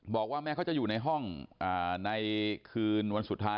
บอกว่าแม้เขาจะอยู่ในห้องในคืนวันสุดท้าย